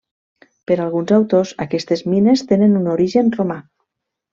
Per alguns autors aquestes mines tenen un origen romà.